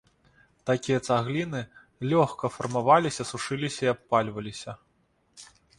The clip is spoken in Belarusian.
Такія цагліны лёгка фармаваліся, сушыліся і абпальваліся.